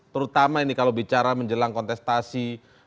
terutama ini kalau bicara menjelang kontestasi dua ribu sembilan belas